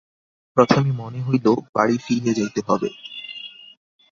প্রথমে মনে হইল, বাড়ি ফিরিয়া যাইতে হইবে।